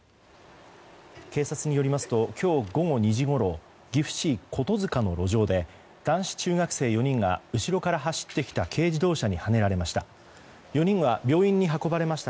警察によりますと今日午後２時ごろ岐阜市琴塚の路上で男子中学生４人が後ろから走ってきた軽自動車にはねられました。